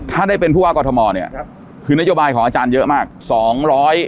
ถ้าได้เป็นผู้ว่ากอทมเนี่ยคือนโยบายของอาจารย์เยอะมาก